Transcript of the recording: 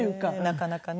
なかなかね。